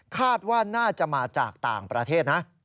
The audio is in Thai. คาดว่าน่าจะมาจากต่างประเทศนะ